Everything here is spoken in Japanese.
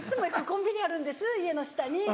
コンビニあるんです家の下に。